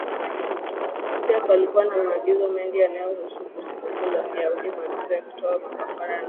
Pia palikuwa na maagizo mengi yanayohusu sikukuu za kiyahudi maagizo ya kutoa makafara na